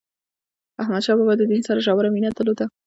احمد شاه بابا د دین سره ژوره مینه درلوده.